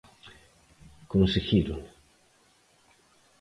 Conseguírono.